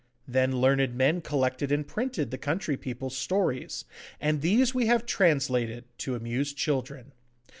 Then learned men collected and printed the country people's stories, and these we have translated, to amuse children.